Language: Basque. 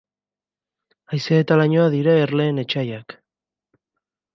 Haizea eta lainoa dira erleen etsaiak.